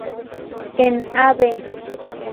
En Av.